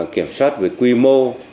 kiểm soát về quy mô